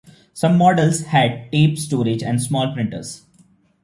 Some models had tape storage and small printers.